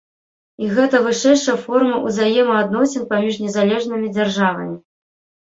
І гэта вышэйшая форма ўзаемаадносін паміж незалежнымі дзяржавамі.